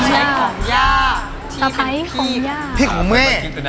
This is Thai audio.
สะพัยของย่าที่เป็นพี่ของแม่